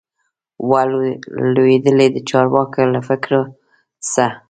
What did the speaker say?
وه لوېدلي د چارواکو له فکرو سه